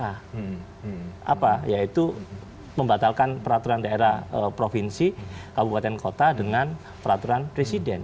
apa yaitu membatalkan peraturan daerah provinsi kabupaten kota dengan peraturan presiden